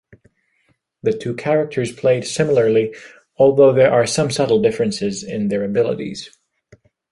The two characters played similarly, although there are some subtle differences in their abilities.